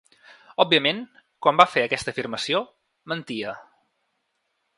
Òbviament, quan va fer aquesta afirmació, mentia.